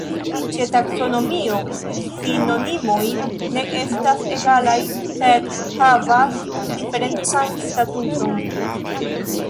Ĉe taksonomio sinonimoj ne estas egalaj, sed havas diferencan statuson.